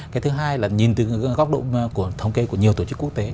cái thứ hai là nhìn từ góc độ thống kê của nhiều tổ chức quốc tế